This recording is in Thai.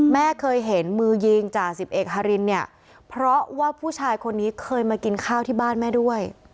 แม่เคยเห็นมือยิงจ่าสิบเอกฮารินเนี่ยเพราะว่าผู้ชายคนนี้เคยมากินข้าวที่บ้านแม่ด้วย